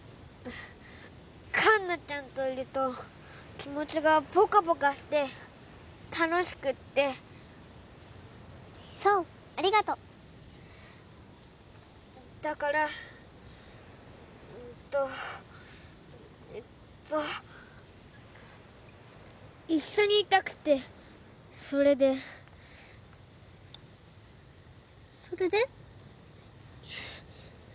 栞奈ちゃんといると気持ちがポカポカして楽しくってそうありがとうだからうんとえっと一緒にいたくてそれでそれで？